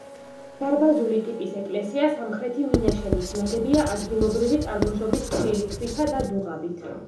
დარბაზული ტიპის ეკლესია სამხრეთი მინაშენით, ნაგებია ადგილობრივი წარმოშობის თლილი ქვითა და დუღაბით.